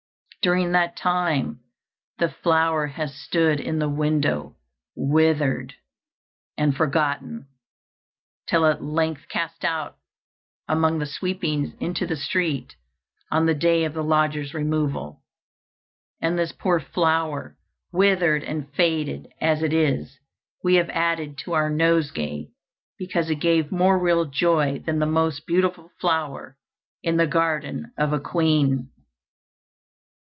During that time the flower has stood in the window, withered and forgotten, till at length cast out among the sweepings into the street, on the day of the lodgers' removal. And this poor flower, withered and faded as it is, we have added to our nosegay, because it gave more real joy than the most beautiful flower in the garden of a queen."